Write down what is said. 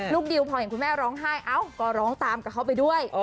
ดิวพอเห็นคุณแม่ร้องไห้เอ้าก็ร้องตามกับเขาไปด้วย